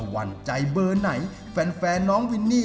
ตั้งใจหรือหมดแรงลูกเมื่อกี้